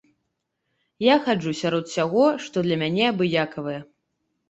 Я хаджу сярод усяго, што для мяне абыякавае.